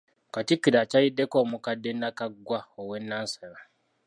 Katikkiro akyaliddeko omukadde Nakaggwa owe Nansana.